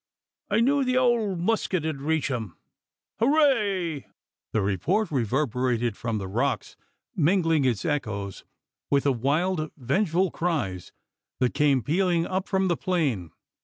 I knew the owld musket 'ud raich him! Hooray!" The report reverberated from the rocks mingling its echoes with the wild vengeful cries that came pealing up from the plain.